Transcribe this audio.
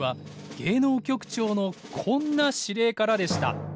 芸能局長のこんな指令からでした。